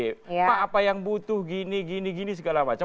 pak apa yang butuh gini gini segala macam